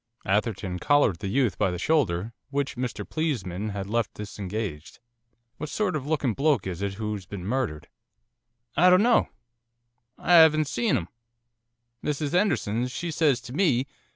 Atherton collared the youth by the shoulder which Mr Pleesman had left disengaged. 'What sort of looking bloke is it who's been murdered?' 'I dunno! I 'aven't seen 'im! Mrs 'Enderson, she says to me!